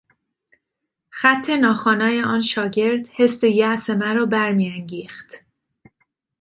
خط ناخوانای آن شاگرد حس یاس مرا برمیانگیخت.